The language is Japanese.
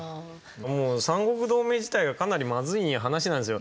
もう三国同盟自体がかなりまずい話なんですよ。